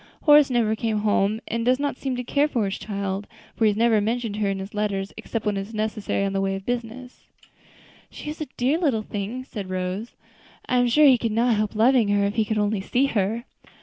Horace never comes home, and does not seem to care for his child, for he never mentions her in his letters, except when it is necessary in the way of business." "She is a dear little thing," said Rose. "I am sure he could not help loving her, if he could only see her."